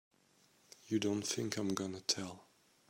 You don't think I'm gonna tell!